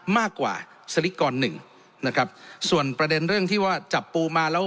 มากกว่าสลิกรหนึ่งนะครับส่วนประเด็นเรื่องที่ว่าจับปูมาแล้ว